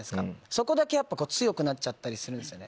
そこだけやっぱり強くなっちゃったりするんですね。